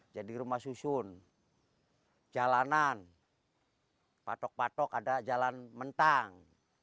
jadi rumah susun jalanan patok patok ada jalan mentang